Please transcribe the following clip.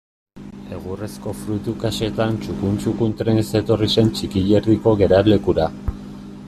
Egurrezko fruitu kaxetan txukun-txukun trenez etorri zen Txikierdiko geralekura.